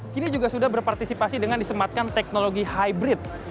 kini juga sudah berpartisipasi dengan disematkan teknologi hybrid